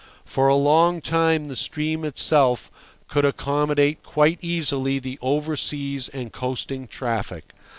For a long time the stream itself could accommodate quite easily the oversea and coasting traffic.